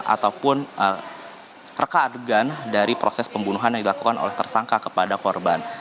ataupun reka adegan dari proses pembunuhan yang dilakukan oleh tersangka kepada korban